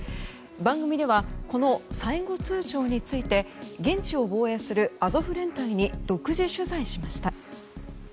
番組ではこの最後通ちょうについて現地を防衛するアゾフ連隊に独自取材しました。